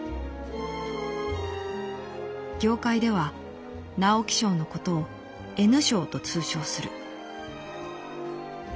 「業界では直木賞のことを『Ｎ賞』と通称する」。